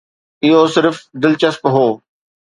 اهو صرف دلچسپ هو.